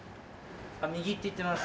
右って言ってます。